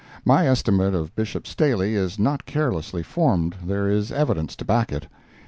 My estimate of Bishop Staley is not carelessly formed there is evidence to back it.